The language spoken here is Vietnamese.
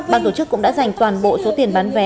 ban tổ chức cũng đã dành toàn bộ số tiền bán vé